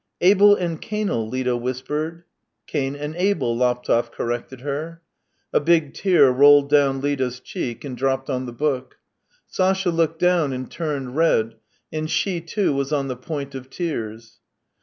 " Abel and Canel," Lida whispered. " Cain and Abel," Laptev corrected her. A big tear rolled down Lida's cheek and dropped on the book. Sasha looked down and turned red, and she, too, was on the point of tears.